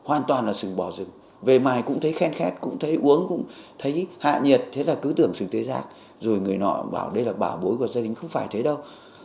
an toàn là sừng bò rừng về mài cũng thấy khen khét cũng thấy uống cũng thấy hạ nhiệt thế là cứ tưởng sừng tế giác rồi người nọ bảo đây là bảo bối của gia đình không phải thế đâu